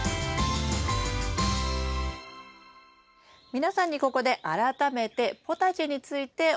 皆さんにここで改めてポタジェについてお話しします。